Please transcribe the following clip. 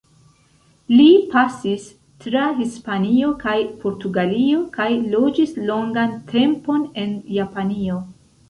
Li pasis tra Hispanio kaj Portugalio, kaj loĝis longan tempon en Japanio.